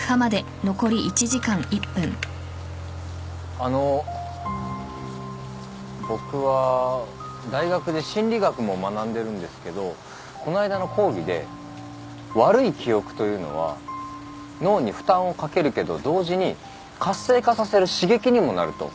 あの僕は大学で心理学も学んでるんですけどこないだの講義で悪い記憶というのは脳に負担をかけるけど同時に活性化させる刺激にもなると先生が言ってました。